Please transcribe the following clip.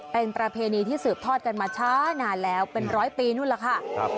เป็นประเพณีที่สืบทอดกันมาช้านานแล้วเป็นร้อยปีนู่นล่ะค่ะ